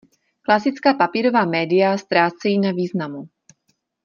Klasická papírová média ztrácejí na významu.